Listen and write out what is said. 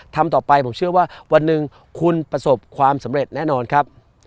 ทำต่อไปผมเชื่อว่าวันหนึ่งคุณประสบความสำเร็จแน่นอนครับ